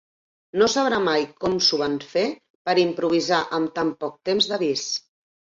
No sabrà mai com s'ho van fer per improvisar amb tan poc temps d'avís.